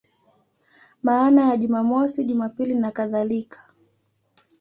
Maana ya Jumamosi, Jumapili nakadhalika.